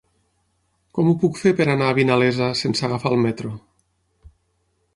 Com ho puc fer per anar a Vinalesa sense agafar el metro?